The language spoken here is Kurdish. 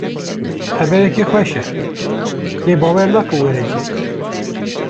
Xebereke xweş e lê bawer nakim were cî.